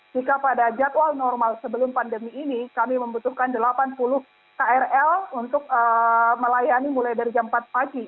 jika pada jadwal normal sebelum pandemi ini kami membutuhkan delapan puluh krl untuk melayani mulai dari jam empat pagi